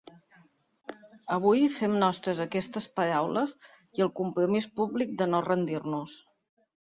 Avui fem nostres aquestes paraules i el compromís públic de no rendir-nos.